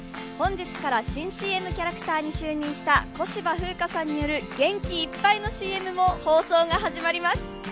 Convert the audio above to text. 本日から新ＣＭキャラクターに就任した小芝風花さんによる元気いっぱいのＣＭも放送が始まります。